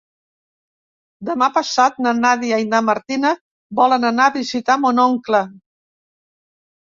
Demà passat na Nàdia i na Martina volen anar a visitar mon oncle.